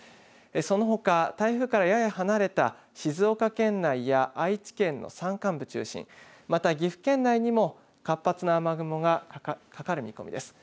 そのほか台風からやや離れた静岡県内や愛知県の山間部中心また岐阜県内にも活発な雨雲がかかる見込みです。